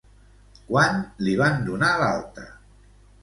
Quan li van donar l'alta?